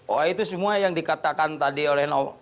oh itu semua yang dikatakan tadi oleh